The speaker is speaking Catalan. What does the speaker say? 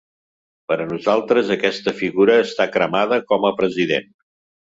Per a nosaltres aquesta figura està cremada com a president.